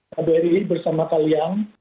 kbri bersama kalian